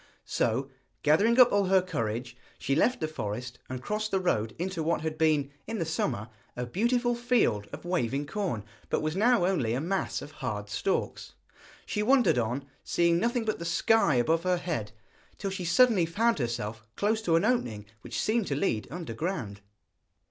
So, gathering up all her courage, she left the forest and crossed the road into what had been, in the summer, a beautiful field of waving corn, but was now only a mass of hard stalks. She wandered on, seeing nothing but the sky above her head, till she suddenly found herself close to an opening which seemed to lead underground.